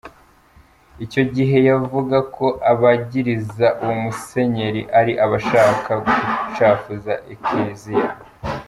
Ico gihe yavuga ko abagiriza uwo musenyeri ari abashaka gucafuza Ekleziya.